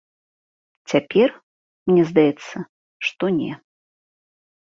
Цяпер, мне здаецца, што не.